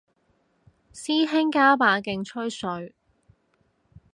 師兄加把勁吹水